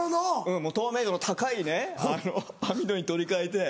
透明度の高い網戸に取り換えて。